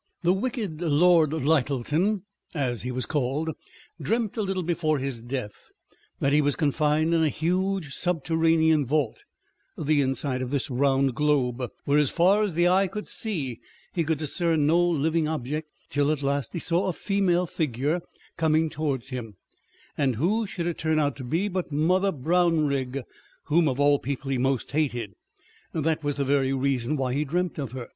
The " wicked " Lord Lyttleton (as he was called) dreamt a little before his death that he was confined in a huge subterranean vault (the inside of this round globe) where as far as eye could see, he could discern no living object, till at last he saw a female figure coming towards him, and who should it turn out to be, but Mother Brownrigg, whom of all people he most hated ! That was the very reason why he dreamt of her.